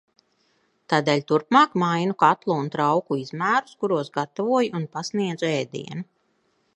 Tādēļ turpmāk mainu katlu un trauku izmērus, kuros gatavoju un pasniedzu ēdienu.